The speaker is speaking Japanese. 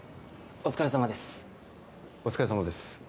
お疲れさまです